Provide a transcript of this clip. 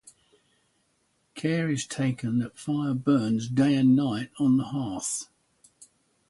Care is taken that fire burns day and night on the hearth.